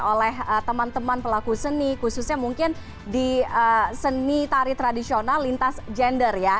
oleh teman teman pelaku seni khususnya mungkin di seni tari tradisional lintas gender ya